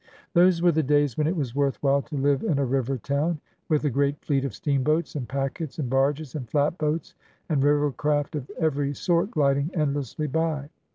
Those were the days when it was worth while to live in a river town, with a great fleet of steamboats and packets and barges and flat boats and river craft of every sort gliding endlessly by.